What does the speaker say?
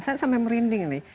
saya sampai merinding nih